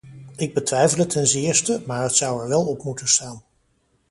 Ik betwijfel het ten zeerste, maar het zou er wel op moeten staan.